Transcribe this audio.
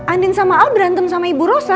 andin sama al berantem sama ibu rossa